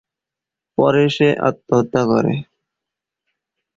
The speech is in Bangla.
পরে সে আত্মহত্যা করে।